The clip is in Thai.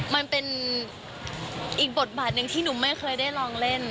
มันเป็นอีกบทบาทหนึ่งที่หนูไม่เคยได้ลองเล่น